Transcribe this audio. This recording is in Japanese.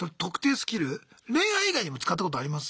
スキル恋愛以外にも使ったことあります？